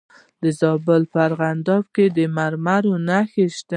د زابل په ارغنداب کې د مرمرو نښې شته.